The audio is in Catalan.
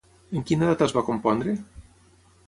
En quina data es va compondre?